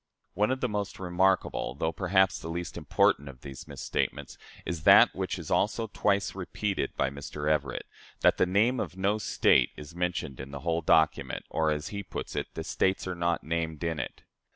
One of the most remarkable though, perhaps, the least important of these misstatements is that which is also twice repeated by Mr. Everett that the name of no State is mentioned in the whole document, or, as he puts it, "the States are not named in it."